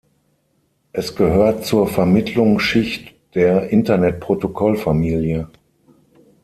Es gehört zur Vermittlungsschicht der Internetprotokollfamilie.